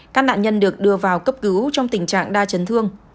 các nạn nhân được đưa vào cấp cứu trong tình trạng đa chấn thương